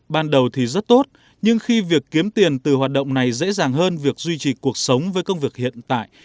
ban đầu thì rất tốt nhưng khi việc kiếm tiền từ hoạt động này dễ dàng hơn việc duy trì cuộc sống với công việc hiện tại